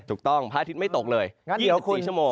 ถูกต้องพระอาทิตย์ไม่ตกเลย๒๔ชั่วโมง